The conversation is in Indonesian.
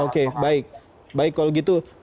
oke baik baik kalau gitu